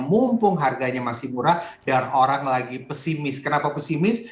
mumpung harganya masih murah dan orang lagi pesimis kenapa pesimis